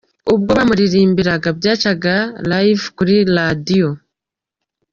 Ubwo bamuririmbiraga byacaga live kuri radio.